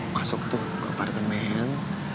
masuk tuh ke partemen